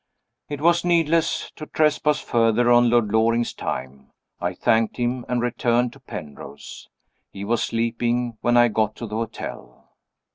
It was needless to trespass further on Lord Loring's time. I thanked him, and returned to Penrose. He was sleeping when I got to the hotel.